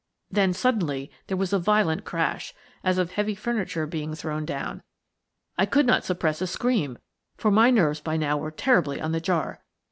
Then suddenly there was a violent crash, as of heavy furniture being thrown down. I could not suppress a scream, for my nerves by now were terribly on the jar.